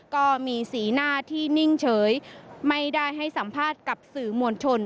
ก็มีสีหน้าที่นิ่งเฉยไม่ได้ให้สัมภาษณ์กับสื่อมวลชน